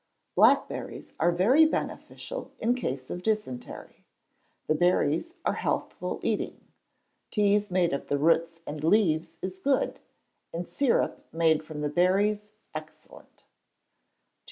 Blackberries are very beneficial in cases of dysentery. The berries are healthful eating. Tea made of the roots and leaves is good; and syrup made from the berries excellent. 2763.